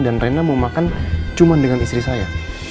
dan reina mau makan cuma dengan istri saya